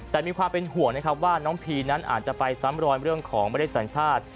แต่มีความเป็นห่วงนะครับว่าน้องพีนั้นอาจจะไปซ้ำรอยเรื่องของไม่ได้สัญชาติ